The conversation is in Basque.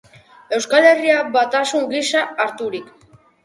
Euskal Herria batasun gisa harturik.